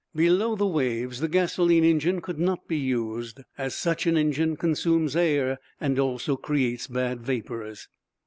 Below the waves the gasoline engine could not be used, as such an engine consumes air and also creates bad vapors.